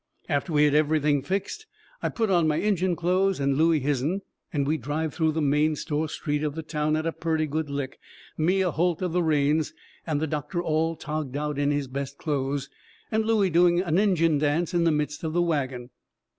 After we had everything fixed, I'd put on my Injun clothes and Looey his'n, and we'd drive through the main store street of the town at a purty good lick, me a holt of the reins, and the doctor all togged out in his best clothes, and Looey doing a Injun dance in the midst of the wagon.